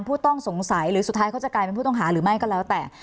ผู้ต้องสงสัยหรือสุดท้ายเขาจะกลายเป็นผู้ต้องหาหรือไม่ก็แล้วแต่